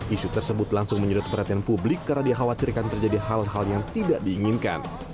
isu tersebut langsung menyedot perhatian publik karena dikhawatirkan terjadi hal hal yang tidak diinginkan